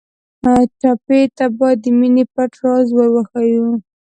ټپي ته باید د مینې پټ راز ور وښیو.